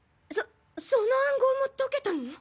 そその暗号も解けたの？